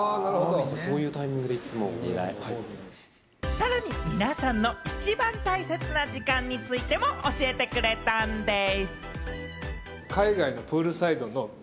さらに皆さんの一番大切な時間についても教えてくれたんでぃす。